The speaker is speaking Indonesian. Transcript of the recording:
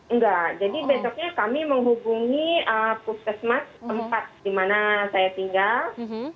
enggak jadi besoknya kami menghubungi puskesmas tempat di mana saya tinggal